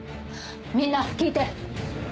みんな聞いて！